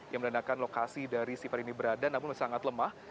yang menandakan lokasi dari sipar ini berada namun sangat lemah